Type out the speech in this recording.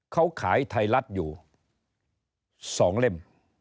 เขาขายไทยรัฐอยู่๒เล่ม